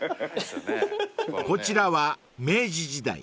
［こちらは明治時代